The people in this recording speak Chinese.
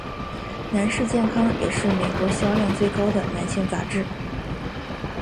男士健康也是美国销量最高的男性杂志。